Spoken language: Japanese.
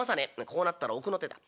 こうなったら奥の手だ。